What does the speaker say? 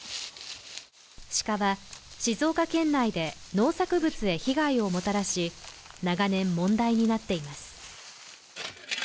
鹿は静岡県内で農作物へ被害をもたらし長年問題になっています